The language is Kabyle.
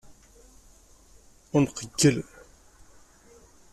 Ur nqeyyel.